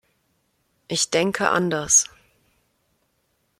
Ich denke anders.